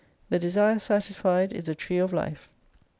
The Desire Satisfied is a Tree of Life.